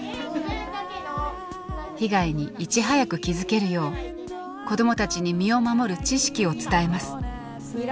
被害にいち早く気付けるよう子どもたちに身を守る知識を伝えます。